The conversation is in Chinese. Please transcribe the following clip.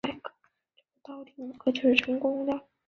次年任万安县知县。